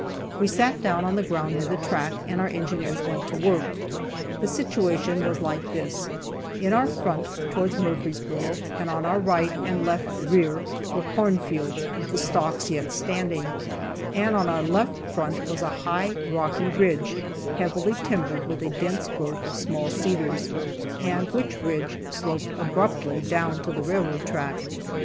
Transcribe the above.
We sat down on the ground near the track, and our engineers went to work. The situation was like this: In our front, towards Murfreesboro, and on our right and left rear were corn fields, with the stalks yet standing, and on our left front was a high rocky ridge, heavily timbered with a dense growth of small cedars, and which ridge sloped abruptly down to the railroad track.